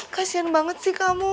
kasian banget sih kamu